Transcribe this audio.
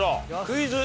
クイズ。